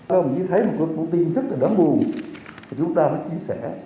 đồng chí thấy một con tin rất là đáng buồn chúng ta sẽ chia sẻ